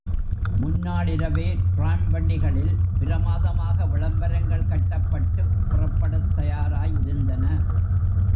முன்னாள் இரவே டிராம் வண்டிகளில் பிரமாதமாக விளம்பரங்கள் கட்டப்பட்டுப் புறப்படத் தயாராய் இருந்தன.